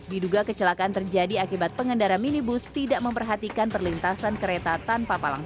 diduga kecelakaan terjadi akibat pengendara minibus tidak memperhatikan perlintasan kereta tanpa palang